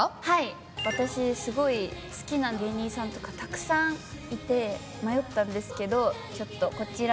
私すごい好きな芸人さんとかたくさんいて迷ったんですけどちょっとこちら。